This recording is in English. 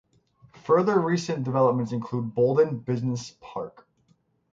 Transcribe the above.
Further recent developments include Boldon Business Park.